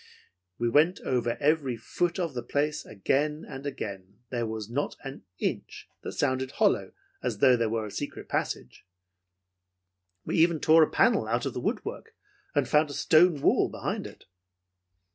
"We went over every foot of the place again and again. There was not an inch that sounded hollow, as though there was a secret passage. We even tore out a panel of the woodwork, and found a stone wall behind it."